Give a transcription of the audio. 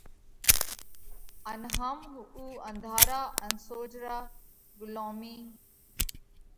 ان هم اُو انڌارا ان سوجھرا، ڳُلومِي